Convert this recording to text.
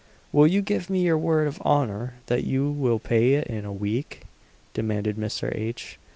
"Will you give me your word of honour that you will pay it in a week?" demanded Mr. H.